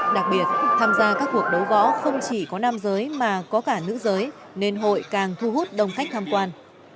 đặc biệt tham gia các cuộc đấu gõ không chỉ có nam giới mà có cả nữ giới nên hội càng thu hút đông khách tham quan